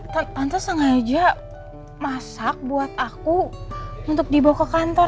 tante sengaja masak buat aku untuk dibawa ke kantor